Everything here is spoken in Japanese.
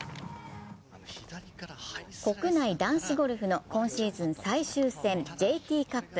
国内男子ゴルフの今シーズン最終戦、ＪＴカップ。